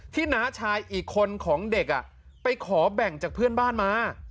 น้าชายอีกคนของเด็กไปขอแบ่งจากเพื่อนบ้านมา